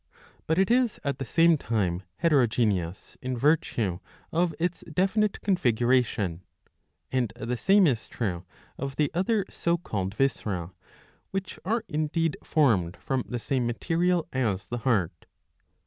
But it is at the same time heterogeneous in virtue of its definite configuration.'^ And the same is true of the other so called viscera, which are indeed formed from the same material as the heart.